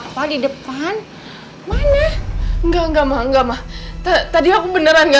some reason ngaya idut aku baca kaya ada putri ma